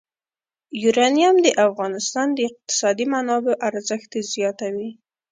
یورانیم د افغانستان د اقتصادي منابعو ارزښت زیاتوي.